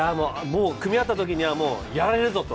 組み合ったときには、やられるぞと。